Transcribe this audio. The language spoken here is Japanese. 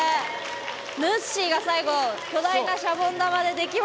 ぬっしーが最後巨大なシャボン玉でできました。